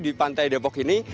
di pantai depok ini